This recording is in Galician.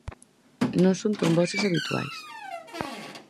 Non son tromboses habituais.